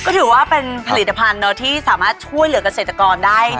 ก็ถือว่าเป็นผลิตภัณฑ์ที่สามารถช่วยเหลือกเกษตรกรได้